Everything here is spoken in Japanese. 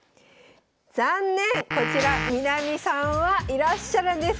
こちら南さんはいらっしゃるんです。